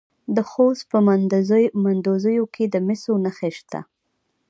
د خوست په مندوزیو کې د مسو نښې شته.